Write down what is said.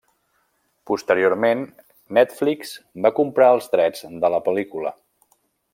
Posteriorment, Netflix va comprar els drets de la pel·lícula.